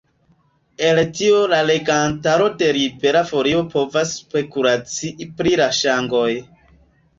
El tio la legantaro de Libera Folio povas spekulacii pri la ŝangoj.